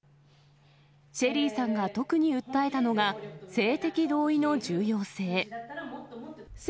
ＳＨＥＬＬＹさんが特に訴えたのが、性的同意の重要性。